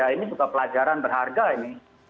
ini juga pelajaran berharga ini